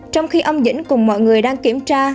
trong khi ông dĩnh cùng mọi người đang kiểm tra